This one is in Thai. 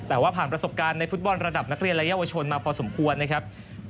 แต่ว่าผ่านประสบการณ์ในฟุตบอลระดับนักเรียนและเยาวชนมาพอสมควรนะครับ